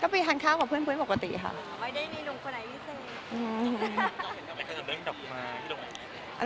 ก็ไปทานข้าวกับเพื่อนปกติครับ